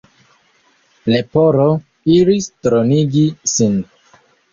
Leporo iris dronigi sin.